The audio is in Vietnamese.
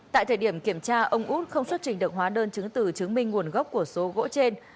tại thời điểm kiểm tra ông út không xuất trình được hóa đơn chứng từ chứng minh nguồn gốc của số gỗ trên